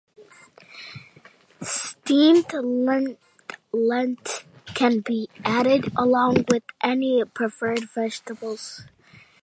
Steamed lentils can be added along with any preferred vegetables.